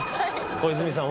小泉さん